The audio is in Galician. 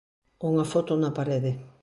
Unha foto na parede.